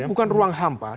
bukan ruang hampa